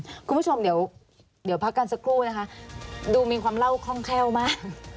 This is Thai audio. คุณผู้ชมเดี๋ยวพักกันสักครู่นะคะดูมีความเล่าคล่องแคล่วมาก